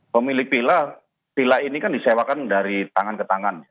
pemilik vila pila ini kan disewakan dari tangan ke tangan